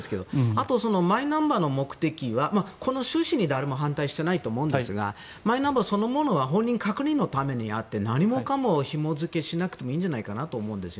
あと、マイナンバーの目的はこの趣旨には誰も反対してないと思うんですがマイナンバーそのものは本人確認のためであって何もかもひも付けしなくてもいいんじゃないかと思うんです。